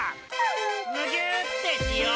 むぎゅーってしよう！